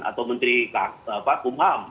atau menteri umam